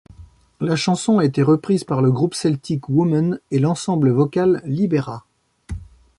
La chanson a été reprise par le groupe Celtic Woman et l'ensemble vocal Libera.